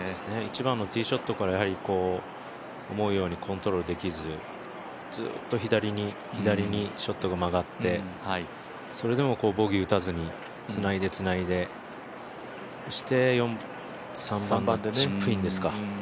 １番のティーショットから思うようにコントロールできずずっと左に、左にショットが曲がって、それでもボギー打たずにつないでつないで、そして３番でチップインですか。